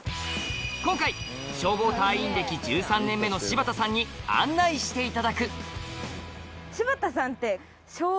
今回消防隊員歴１３年目の柴田さんに案内していただくの方ですか？